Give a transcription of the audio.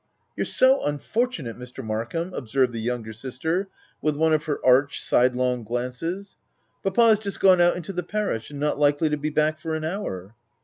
< c You're so unfortunate, Mr. Markham!" ob served the younger sister, with one of her arch, sidelong glances. M Papa*s just gone out into the parish, and not likely to be back for an hour